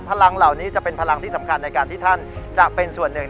พลังเหล่านี้จะเป็นพลังที่สำคัญในการที่ท่านจะเป็นส่วนหนึ่ง